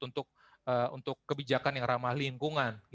untuk kebijakan yang ramah lingkungan